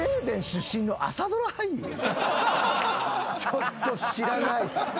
ちょっと知らない。